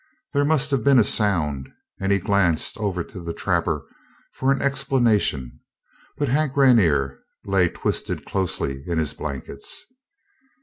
There must have been a sound, and he glanced over to the trapper for an explanation. But Hank Rainer lay twisted closely in his blankets.